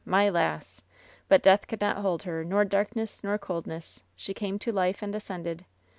my lass! But death could not hold her, nor dark ness, nor coldness. She came to life and ascended.